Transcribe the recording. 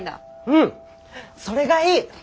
うんそれがいい！